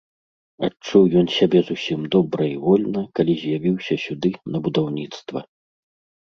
Адчуў ён сябе зусім добра і вольна, калі з'явіўся сюды, на будаўніцтва.